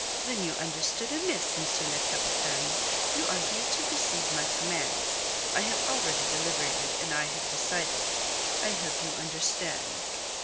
"Then you understood amiss, M. le Capitaine. You are here to receive my commands. I have already deliberated, and I have decided. I hope you understand."